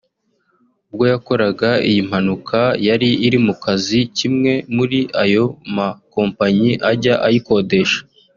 ubwo yakoraga iyi mpanuka yari iri mu kazi k’imwe muri ayo makompanyi ajya ayikodesha